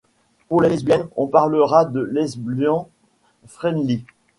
Pour les lesbiennes, on parlera de Lesbian-friendly.